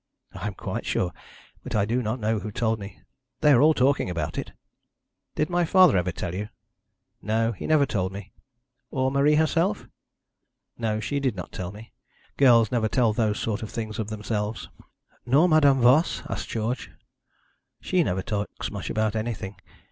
'I am quite sure; but I do not know who told me. They are all talking about it.' 'Did my father ever tell you?' 'No, he never told me.' 'Or Marie herself?' 'No, she did not tell me. Girls never tell those sort of things of themselves.' 'Nor Madame Voss?' asked George. 'She never talks much about anything.